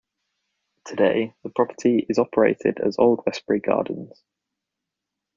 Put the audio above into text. Today, the property is operated as Old Westbury Gardens.